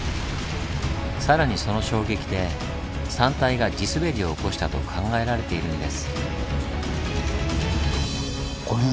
更にその衝撃で山体が地すべりを起こしたと考えられているんです。